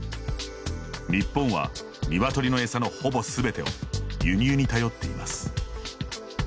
日本は、ニワトリの餌のほぼ全てを輸入に頼っています。